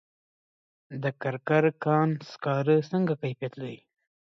د کرکر کان سکاره څنګه کیفیت لري؟